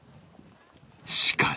しかし